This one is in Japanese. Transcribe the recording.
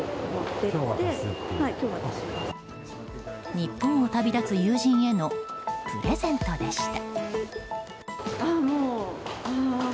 日本を旅立つ友人へのプレゼントでした。